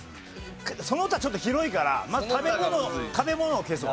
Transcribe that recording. その他ちょっと広いからまず食べ物を消そう。